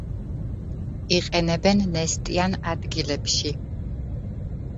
იყენებენ ნესტიან ადგილებში.